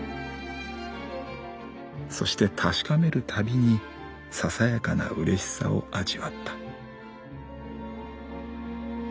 そして確かめるたびにささやかな嬉しさを味わった」。